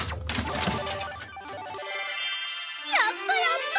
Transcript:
やったやった！